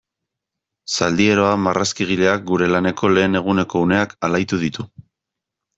Zaldieroa marrazkigileak gure laneko lehen eguneko uneak alaitu ditu.